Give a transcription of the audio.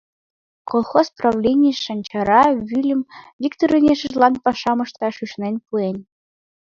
Колхоз правлений Шанчара вӱльым Викторын ешыжлан пашам ышташ ӱшанен пуэн.